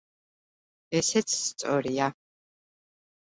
ესეც სწორია.